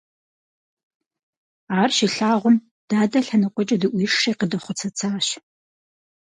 Ар щилъагъум, дадэ лъэныкъуэкӀэ дыӀуишри къыдэхъуцэцащ.